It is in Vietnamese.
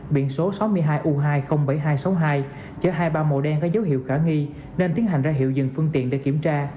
biển số sáu mươi hai u hai mươi bảy nghìn hai trăm sáu mươi hai chở hai ba màu đen có dấu hiệu khả nghi nên tiến hành ra hiệu dừng phương tiện để kiểm tra